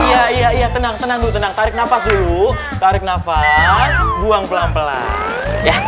iya iya iya tenang tenang dulu tenang tarik nafas dulu tarik nafas buang pelan pelan